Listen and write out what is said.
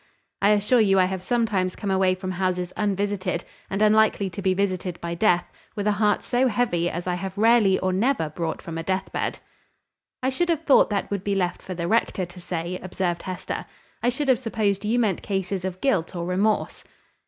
I assure you I have sometimes come away from houses unvisited, and unlikely to be visited by death, with a heart so heavy as I have rarely or never brought from a deathbed." "I should have thought that would be left for the rector to say," observed Hester. "I should have supposed you meant cases of guilt or remorse."